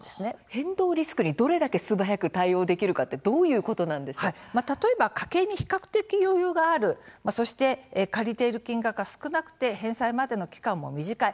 変動リスクにどれだけすばやく対応できるか例えば家計に比較的余裕がある借りている金額が少なく返済までの期間も短い